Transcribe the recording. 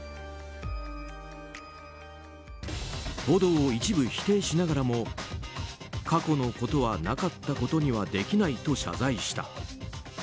報道を一部否定しながらも過去のことはなかったことにはできないと謝罪した。